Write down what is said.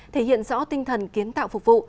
thể hiện rõ tinh thần kiến tạo phục vụ